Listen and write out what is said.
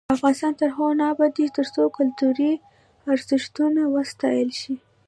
افغانستان تر هغو نه ابادیږي، ترڅو کلتوري ارزښتونه وساتل شي.